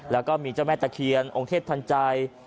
แล้วก็มีเจ้าแม่ตะเคียนองค์เทพทันใจ